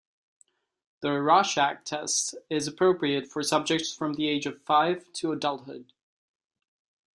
The Rorschach test is appropriate for subjects from the age of five to adulthood.